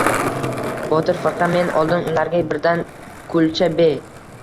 Botir firqa. — Men oldin ularga bittadan kulcha be-